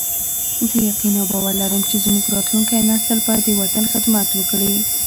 زه یقین او باور لرم چې زموږ راتلونکی نسل به د وطن خدمت وکړي